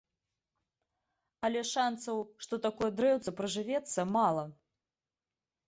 Але шанцаў, што такое дрэўца прыжывецца, мала.